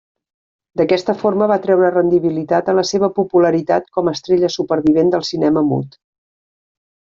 D'aquesta forma va treure rendibilitat a la seva popularitat com estrella supervivent del cinema mut.